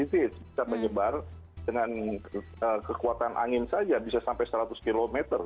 itu bisa menyebar dengan kekuatan angin saja bisa sampai seratus km